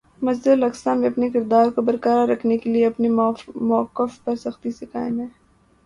مسجد اقصیٰ میں اپنے کردار کو برقرار رکھنے کے لیے اپنے مؤقف پر سختی سے قائم ہے-